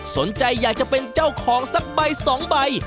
สนใจอยากจะเป็นเจ้าของสักใบสองใบ